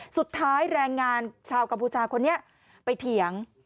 แสดงงานชาวกัมพูชาคนนี้ไปเถียง